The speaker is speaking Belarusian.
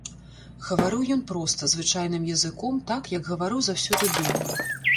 Гаварыў ён проста, звычайным языком, так, як гаварыў заўсёды дома.